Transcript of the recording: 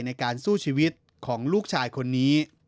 ในการสู้ชีวิตของลูกชายคนนี้